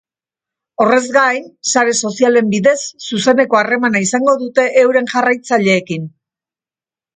Horrez gain, sare sozialen bidez zuzeneko harremana izango dute euren jarraitzaileekin.